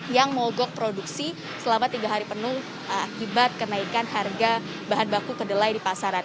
yang mogok produksi selama tiga hari penuh akibat kenaikan harga bahan baku kedelai di pasaran